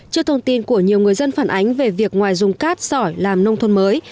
trước thông tin của nhiều người dân phản ánh về việc ngoài dùng cát sỏi làm nông thôn mới